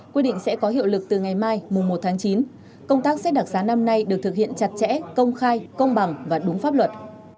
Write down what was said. quy định sẽ có hiệu lực từ ngày mai mùa một tháng chín công tác xét đặc sá năm nay được thực hiện chặt chẽ công khai công bằng và đúng pháp luật